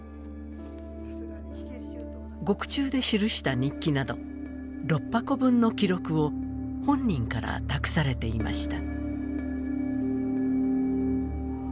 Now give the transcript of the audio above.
獄中で記した日記など６箱分の記録を本人から託されていました。